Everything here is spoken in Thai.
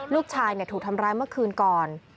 ลูกชายถูกทำร้ายเมื่อคืนก่อน